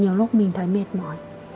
nhiều lúc mình thấy mệt mỏi